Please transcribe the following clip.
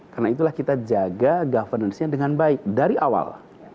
karena itulah kita jaga governance nya dengan baik dari awal